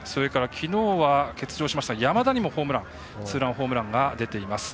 きのうは欠場した山田にもツーランホームランが出ています。